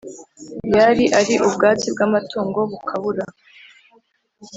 yari ari, ubwatsi bw'amatungo bukabura.